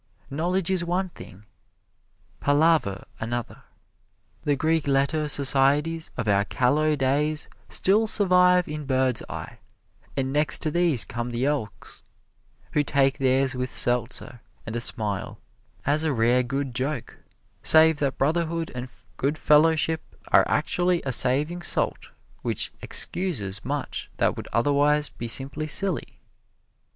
Knowledge is one thing palaver another. The Greek letter societies of our callow days still survive in bird's eye, and next to these come the Elks, who take theirs with seltzer and a smile, as a rare good joke, save that brotherhood and good fellowship are actually a saving salt which excuses much that would otherwise be simply silly.